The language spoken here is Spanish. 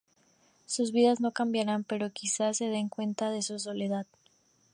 Sus vidas no cambiarán, pero quizá se den cuenta de su soledad.